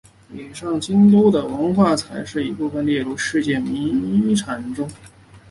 以古都京都的文化财的一部份列入世界遗产名单中。